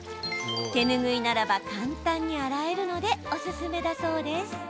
手ぬぐいならば簡単に洗えるのでおすすめだそうです。